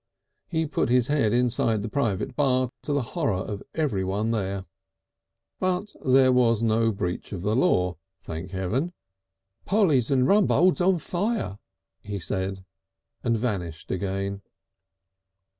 He put his head inside the Private Bar to the horror of everyone there. But there was no breach of the law, thank Heaven! "Polly's and Rumbold's on fire!" he said, and vanished again.